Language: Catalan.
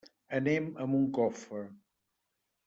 Anem a Moncofa.